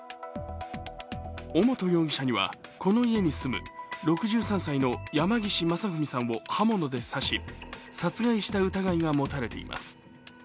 尾本容疑者にはこの家に住む６３歳の山岸正文さんを刃物で刺し殺害した疑いが持たれています。